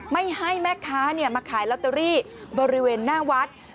ไม่ให้แม่ค้ามาขายลอตเตอรี่บริเวณหน้าวัด